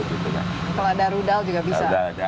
kalau ada rudal juga bisa